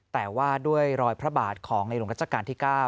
แต่ว่าด้วยรอยพระบาทของหลวงรัจกาลไหน้า